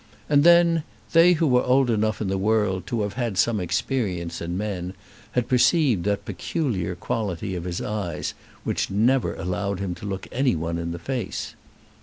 And then, they who were old enough in the world to have had some experience in men, had perceived that peculiar quality of his eyes, which never allowed him to look any one in the face.